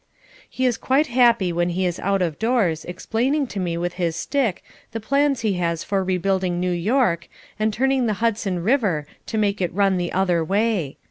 He is quite happy when he is out of doors explaining to me with his stick the plans he has for rebuilding New York and turning the Hudson River to make it run the other way.